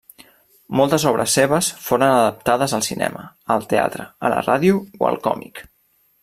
Moltes obres seves foren adaptades al cinema, al teatre, a la ràdio o al còmic.